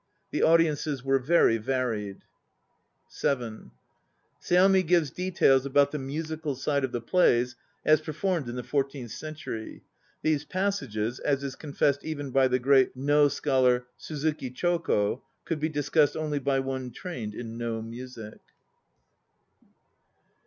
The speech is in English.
The audiences were very varied. (7) Seami gives details about the musical side of the plays as performed in the fourteenth century. These passages, as is confessed even by the great No scholar, Suzuki Choko, could be discussed only by one trained in No music.